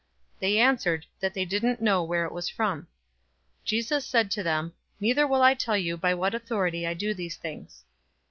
020:007 They answered that they didn't know where it was from. 020:008 Jesus said to them, "Neither will I tell you by what authority I do these things."